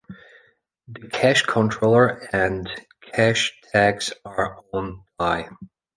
The cache controller and cache tags are on-die.